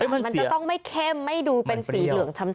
มันจะต้องไม่เข้มไม่ดูเป็นสีเหลืองช้ำ